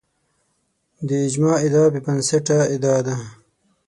د اجماع ادعا بې بنسټه ادعا ده